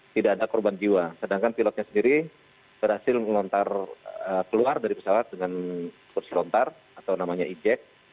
tidak ada korban jiwa sedangkan pilotnya sendiri berhasil keluar dari pesawat dengan kursi lontar atau namanya ejek